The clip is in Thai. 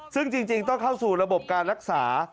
ซึ่งจริงต้องเข้าสู่ระบบการรักษา